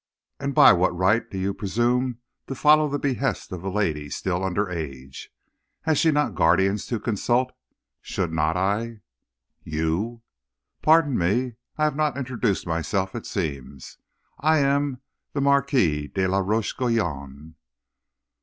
"'And by what right do you presume to follow the behests of a lady still under age? Has she not guardians to consult? Should not I ' "'You?' "'Pardon me, I have not introduced myself, it seems. I am the Marquis de la Roche Guyon.'"